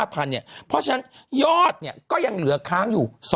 เพราะฉะนั้นยอดก็ยังเหลือค้างอยู่